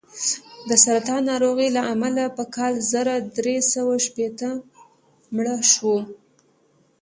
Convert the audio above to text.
د سرطان ناروغۍ له امله په کال زر درې سوه شپېته مړ شو.